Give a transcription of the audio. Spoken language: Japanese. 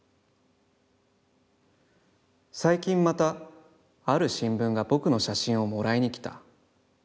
最近また、ある新聞が僕の写真をもらいに来た。